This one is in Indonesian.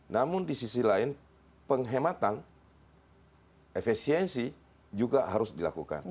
namun di sisi lain penghematan efisiensi juga harus dilakukan